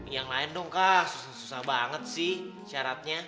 yang lain dong kak susah susah banget sih syaratnya